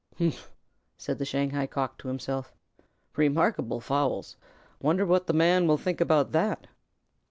"Humph!" said the Shanghai Cock to himself. "Remarkable fowls! Wonder what the Man will think about that."